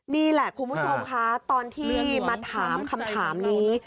นี่แหละคุณผู้ชมคะตอนที่มาถามคำถามนี้